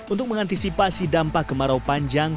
untuk mengantisipasi dampak kemarau panjang